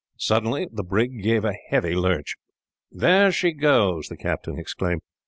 Suddenly the brig gave a heavy lurch. "There she goes!" the captain exclaimed.